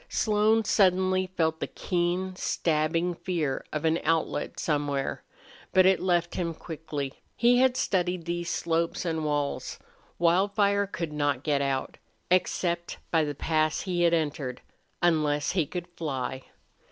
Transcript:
Slone suddenly felt the keen, stabbing fear of an outlet somewhere. But it left him quickly. He had studied those slopes and walls. Wildfire could not get out, except by the pass he had entered, unless he could fly.